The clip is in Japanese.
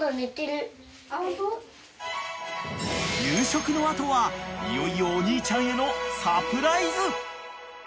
［夕食の後はいよいよお兄ちゃんへのサプライズ］